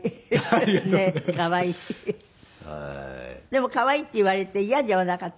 でも「可愛い」って言われて嫌ではなかった？